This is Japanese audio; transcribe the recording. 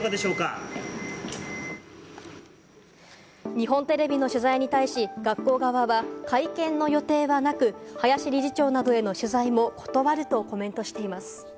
日本テレビの取材に対し、学校側は会見の予定はなく、林理事長などへの取材も断るとコメントしています。